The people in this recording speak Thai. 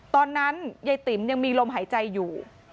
ตอนนั้นยายติ๋มยังมีลมหายใจอยู่